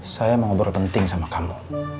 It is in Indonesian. saya mau berpenting sama kamu